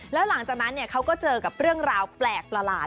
แล้วหลังจากนั้นเขาก็เจอกับเรื่องราวแปลกประหลาด